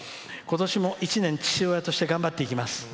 ことしも一年、父親として頑張っていきます」。